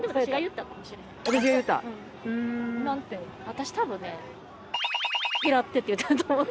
私多分ね。